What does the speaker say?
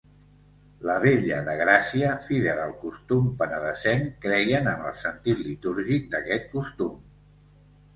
La Vella de Gràcia, fidel al costum penedesenc creien en el sentit litúrgic d'aquest costum.